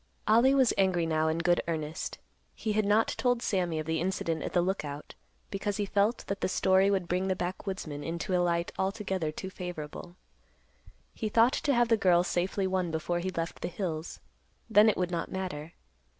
Ollie was angry now in good earnest. He had not told Sammy of the incident at the Lookout because he felt that the story would bring the backwoodsman into a light altogether too favorable. He thought to have the girl safely won before he left the hills; then it would not matter.